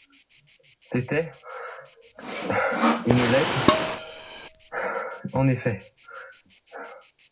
C'était une lettre en effet